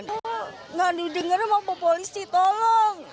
nggak didengar mau bu polisi tolong